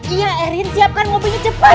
iya erin siapkan mobilnya cepat